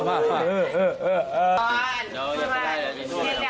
อ้าว